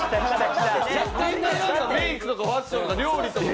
みんななんかメイクとかファッションとか料理とか。